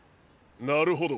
なるほど。